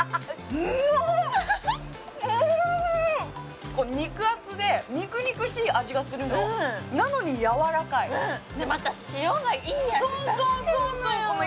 うわっ肉厚で肉々しい味がするのなのにやわらかいうんでまた塩がいい味出してんのよ